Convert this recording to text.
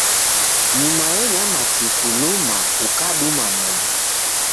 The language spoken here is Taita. Nyuma enyama chuku luma ukaduma momu.